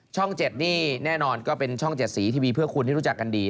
๗นี่แน่นอนก็เป็นช่อง๗สีทีวีเพื่อคุณที่รู้จักกันดี